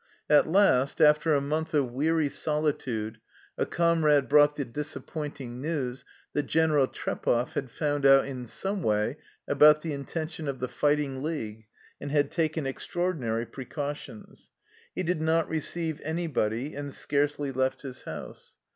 At last, after a month of weary solitude, a comrade brought the disappointing news that General Trepov had found out in some way about the intention of the " fighting league " and had taken extraordinary precautions : he did not receive anybody and scarcely left his house.